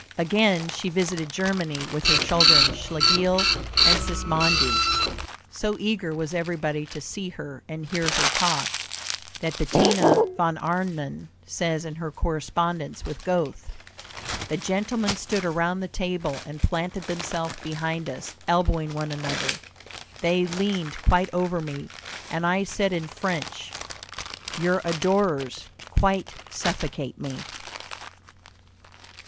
Again she visited Germany with her children, Schlegel, and Sismondi. So eager was everybody to see her and hear her talk, that Bettina von Arnim says in her correspondence with Goethe: "The gentlemen stood around the table and planted themselves behind us, elbowing one another. They leaned quite over me, and I said in French, 'Your adorers quite suffocate me.'"